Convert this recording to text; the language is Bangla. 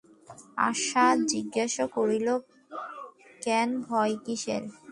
আশা জিজ্ঞাসা করিল, কেন, ভয় কিসের।